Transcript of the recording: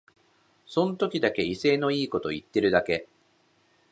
その時だけ威勢のいいこと言ってるだけ